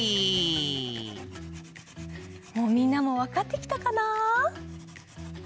もうみんなもわかってきたかな？